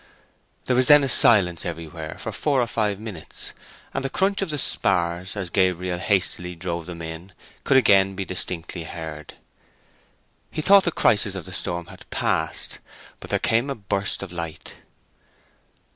There was then a silence everywhere for four or five minutes, and the crunch of the spars, as Gabriel hastily drove them in, could again be distinctly heard. He thought the crisis of the storm had passed. But there came a burst of light.